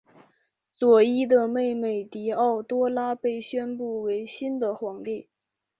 佐伊的妹妹狄奥多拉被宣布为新的皇帝。